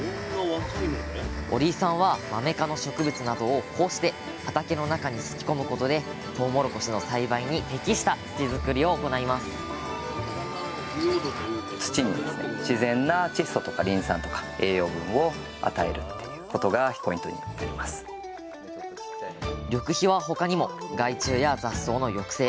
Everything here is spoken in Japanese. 折井さんはマメ科の植物などをこうして畑の中にすき込むことでとうもろこしの栽培に適した土作りを行います緑肥は他にも害虫や雑草の抑制。